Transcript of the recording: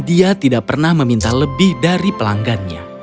dia tidak pernah meminta lebih dari pelanggannya